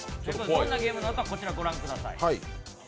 どんなゲームなのか、ご覧ください。